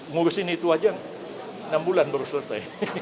ngurusin itu aja enam bulan baru selesai